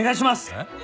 えっ？